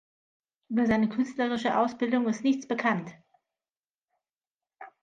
Über seine künstlerische Ausbildung ist nichts bekannt.